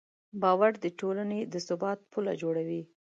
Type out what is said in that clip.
باور د ټولنې د ثبات پله جوړوي.